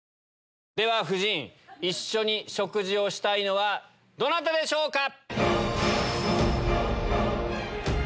夫人一緒に食事をしたいのはどなたでしょうか？